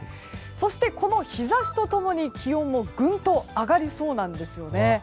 そして、この日差しと共に気温もぐんと上がりそうなんですよね。